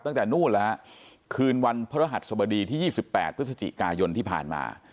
ตั้งแต่นู่นแล้วฮะคืนวันพระรหัสสบดีที่๒๘พฤศจิกายนที่ผ่านมา